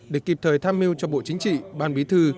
để kịp thời tham mưu cho bộ chính trị ban bí thư